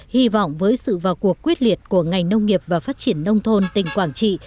hy vọng với sự vào cuộc quyết liệt của ngành nông nghiệp và phát triển nông thôn tỉnh quảng trị